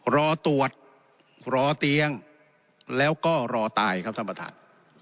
รอตรวจรอเตียงแล้วก็รอตายครับท่านประธาน